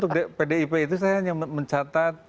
saya kira untuk pdip itu saya hanya mencatatkan